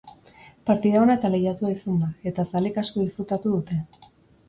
Partida ona eta lehiatua izan da, eta zaleek asko disfrutatu dute.